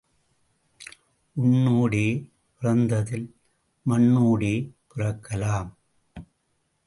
உன்னோடே பிறந்ததில் மண்ணோடே பிறக்கலாம்.